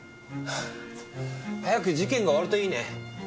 早く事件が終わるといいね。